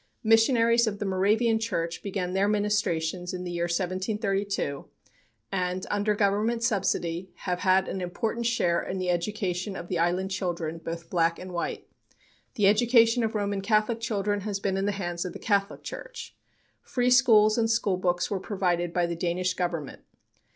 Missionaries of the Moravian Church began their ministrations in the year 1732, and, under Government subsidy, have had an important share in the education of the island children, both black and white. The education of Roman Catholic children has been in the hands of the Catholic Church. Free schools and schoolbooks were provided by the Danish Government.